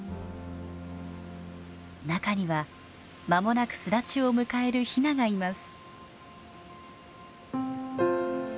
中にはまもなく巣立ちを迎えるヒナがいます。